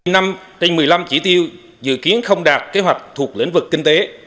năm hai nghìn một mươi năm chỉ tiêu dự kiến không đạt kế hoạch thuộc lĩnh vực kinh tế